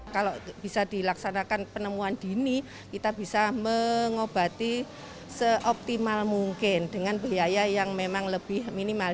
kalau bisa dilaksanakan penemuan dini kita bisa mengobati seoptimal mungkin dengan biaya yang memang lebih minimal